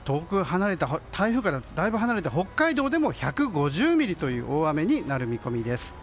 台風からだいぶ離れた北海道でも１５０ミリという大雨になる見込みです。